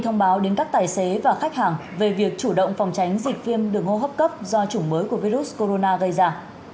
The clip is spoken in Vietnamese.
đối với tài xế và khách hàng về việc chủ động phòng tránh dịch viêm đường hô hấp cấp do chủng mới của virus corona gây ra